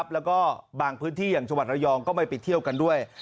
แล้วก็บางพื้นที่อย่างจังหวัดระยองก็ไม่ไปเที่ยวกันด้วย